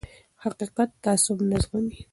حقیقت تعصب نه زغمي